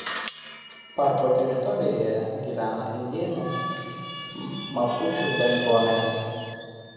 Parko teritorijoje gyvena indėnų mapučių bendruomenės.